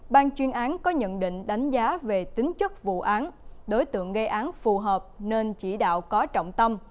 ban chuyên án có nhận định đánh giá về tính chất vụ án đối tượng gây án phù hợp nên chỉ đạo có trọng tâm